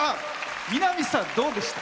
南さん、どうでした？